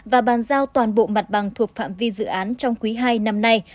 và bàn giao toàn bộ mặt bằng thuộc phạm vi dự án trong quý hai năm nay